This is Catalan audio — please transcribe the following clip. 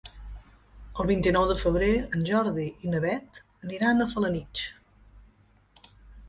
El vint-i-nou de febrer en Jordi i na Beth aniran a Felanitx.